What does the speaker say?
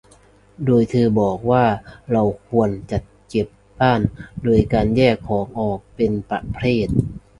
โดยเธอบอกว่าเราควรจัดเก็บบ้านด้วยการแยกของออกเป็นประเภท